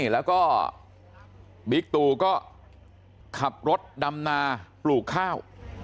แล้วก็บิ๊กตูก็ขับรถดำนาปลูกข้าว